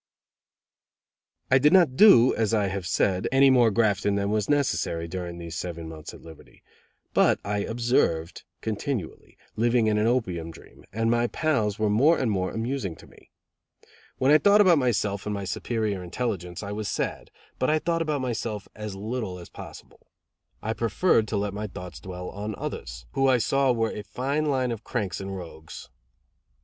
I did not do, as I have said, any more grafting than was necessary during these seven months of liberty; but I observed continually, living in an opium dream, and my pals were more and more amusing to me. When I thought about myself and my superior intelligence, I was sad, but I thought about myself as little as possible. I preferred to let my thoughts dwell on others, who I saw were a a fine line of cranks and rogues.